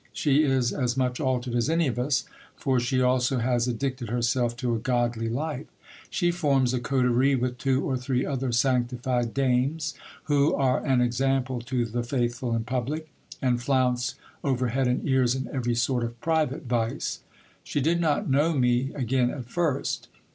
She is as much altered as any of us : for she also has addicted herself to a godly life. She forms a coterie with two or three other sanctified dames, who are an example to the faithful in public, and flounce over head and ears in every sort of private vice. She did not know me again at first.